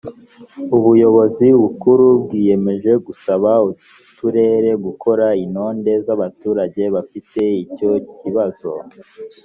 uuybozi bukuru bwiyemeje gusaba uturere gukora intonde z abaturage bafite icyo kibazo